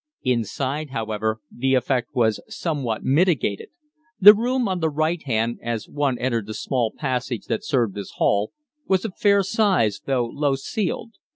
Inside, however, the effect was somewhat mitigated. The room on the right hand, as one entered the small passage that served as hall, was of fair size, though low ceiled.